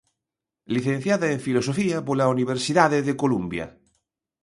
Licenciada en Filosofía pola Universidade de Columbia.